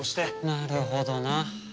なるほどな。